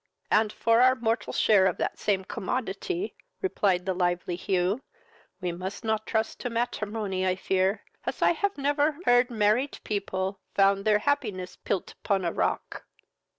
"And for our mortal share of that same commodity, (replied the lively Hugh,) we must not trust to matrimony, I fear, as I never heard married people found their happiness puilt upon a rock."